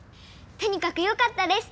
とにかくよかったです！